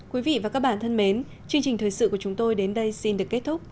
quý vị và các bạn thân mến chương trình thời sự của chúng tôi đến đây xin được kết thúc